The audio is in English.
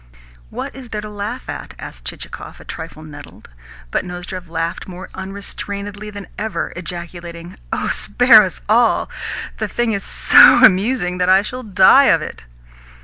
"What is there to laugh at?" asked Chichikov, a trifle nettled; but Nozdrev laughed more unrestrainedly than ever, ejaculating: "Oh, spare us all! The thing is so amusing that I shall die of it!"